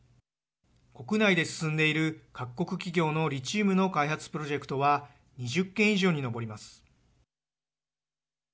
国内で進んでいる各国企業のリチウムの開発プロジェクトは２０件以上に上ります。